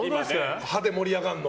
歯で盛り上がるの。